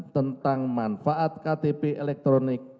tentang manfaat ktp elektronik